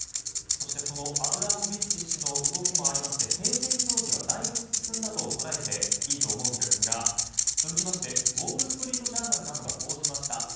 そしてそのアブラモビッチ氏の動きもありまして停戦協議はだいぶ進んだと捉えていいと思うんですが続きまして、ウォール・ストリート・ジャーナルなどが報じました